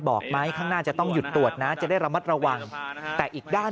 บอกไหมข้างหน้าจะต้องหยุดตรวจนะจะได้ระมัดระวังแต่อีกด้าน